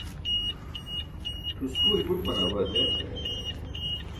ṭʰuskuri but manaa baa je